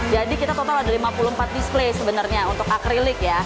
jadi kita total ada lima puluh empat display sebenarnya untuk acrylic ya